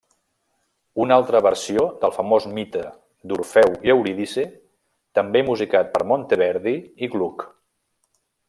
Una altra versió del famós mite d'Orfeu i Eurídice, també musicat per Monteverdi i Gluck.